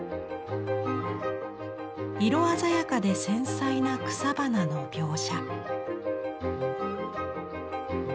色鮮やかで繊細な草花の描写。